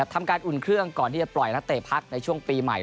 ทำการอุ่นเครื่องก่อนที่จะปล่อยนักเตะพักในช่วงปีใหม่